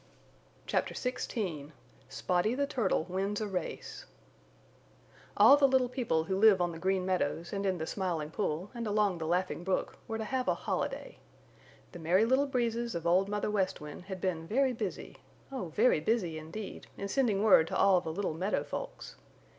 CHAPTER XVI SPOTTY THE TURTLE WINS A RACE All the little people who live on the Green Meadows and in the Smiling Pool and along the Laughing Brook were to have a holiday. The Merry Little Breezes of Old Mother West Wind had been very busy, oh very busy indeed, in sending word to all the little meadow folks.